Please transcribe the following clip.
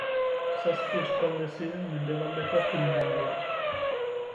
Zazpi eskualde ziren Mendebaldeko Finlandian.